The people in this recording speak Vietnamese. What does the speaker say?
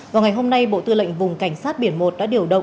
vào ngày hôm nay bộ tư lệnh vùng cảnh sát biển một đã điều động